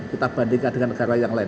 kita bandingkan dengan negara yang lain